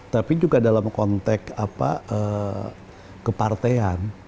tapi juga dalam konteks kepartean